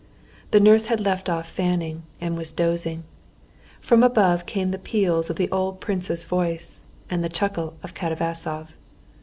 The nurse had left off fanning, and was dozing. From above came the peals of the old prince's voice, and the chuckle of Katavasov.